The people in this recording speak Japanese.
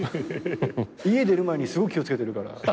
家出る前にすごい気を付けてる。